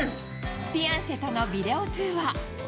フィアンセとのビデオ通話。